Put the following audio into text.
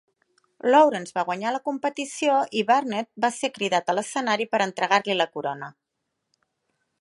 Lawrence va guanyar la competició i Burnett va ser cridat a l'escenari per entregar-li la corona.